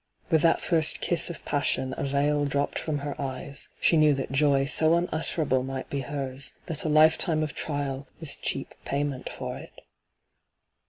With that first kiss of passion a veil dropped from her eyes — she knew that joy so unutterable might be hers, that a lifetime of trial was cheap payment for it.